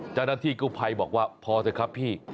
จากนั้นที่กู้ภัยบอกว่าพอสิครับพี่